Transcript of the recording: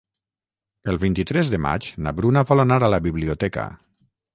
El vint-i-tres de maig na Bruna vol anar a la biblioteca.